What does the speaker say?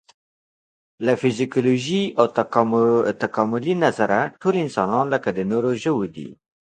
له فزیولوژیکي او تکاملي نظره ټول انسانان لکه د نورو ژوو دي.